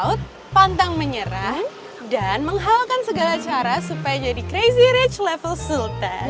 harus all out pantang menyerah dan menghalakan segala cara supaya jadi crazy rich level sultan